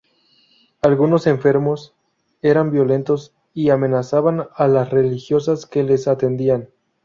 Algunos enfermos eran violentos y amenazaban a las religiosas que les atendían.